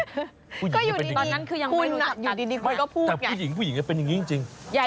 ก็อยู่ดีนี้ตอนนั้นคือยังไม่รู้จักกันคุณอยู่ดีนี้คุณก็พูดอย่างแต่ผู้หญิงผู้หญิงจะเป็นอย่างงี้จริงจริง